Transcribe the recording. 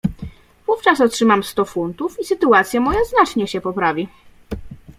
"Wówczas otrzymam sto funtów i sytuacja moja znacznie się poprawi."